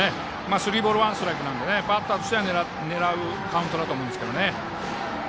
スリーボールワンストライクなのでバッターとしては狙うカウントだと思うんですけどね。